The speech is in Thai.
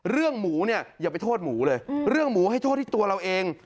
เรื่องหมูเนี่ยอย่าไปโทษหมูเลยเรื่องหมูให้โทษที่ตัวเราเอง